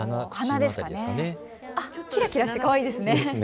キラキラしてかわいいですね。